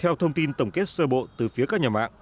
theo thông tin tổng kết sơ bộ từ phía các nhà mạng